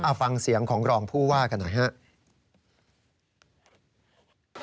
เอาฟังเสียงของรองผู้ว่ากันหน่อยครับ